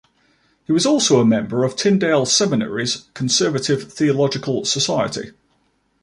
He was also a member of Tyndale Seminary's Conservative Theological Society.